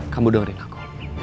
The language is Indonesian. kamu dengerin aku